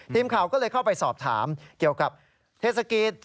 ทีมข่าวก็เลยเข้าไปสอบถามเกี่ยวกับเทศกิจ